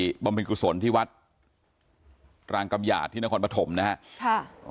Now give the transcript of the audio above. บำเพ็ญกุศลที่วัดรางกำหยาดที่นครปฐมนะครับ